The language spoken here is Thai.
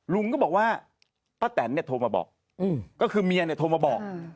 ลุงก็บอกว่าป้าแตนเนี่ยโทรมาบอกก็คือเมียเนี่ยโทรมาบอก